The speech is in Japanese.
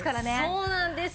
そうなんですよ。